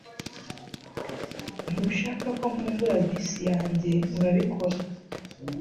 Ntushaka ko nkumbura bisi yanjye urabikora